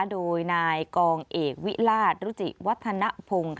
โดยนายกองเอกวิราชรุจิวัฒนภง